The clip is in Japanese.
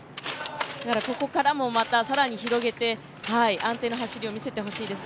ここからもまた更に広げて、安定の走りを見せてほしいです。